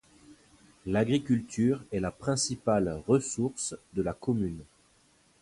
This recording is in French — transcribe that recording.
L'agriculture est la principale ressource de la commune.